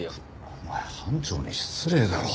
お前班長に失礼だろ。